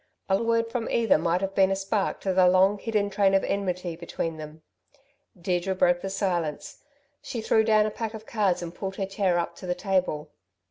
A word from either might have been a spark to the long hidden train of enmity between them. Deirdre broke the silence. She threw down a pack of cards and pulled her chair up to the table.